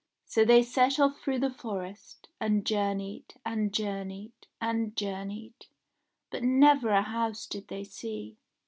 So they set off through the forest, and journeyed, and journeyed, and journeyed, but never a house did they see.